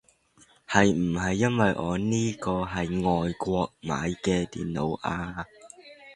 係唔係因為我呢個係外國買嘅電腦啊